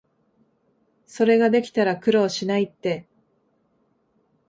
それができたら苦労しないって